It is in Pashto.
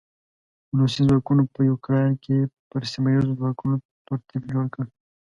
روسي ځواکونو په يوکراين کې پر سیمه ايزو ځواکونو تور تيپ جوړ کړ.